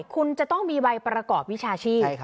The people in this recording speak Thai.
คุณจะต้องมีใบประกอบวิชาชีพ